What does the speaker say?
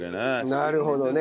なるほどね。